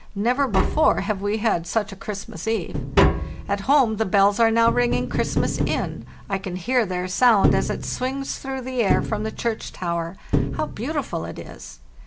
Never before have we had such a Christmas eve. "At home the bells are now ringing Christmas in, I can hear their sound as it swings through the air from the church tower. How beautiful it is!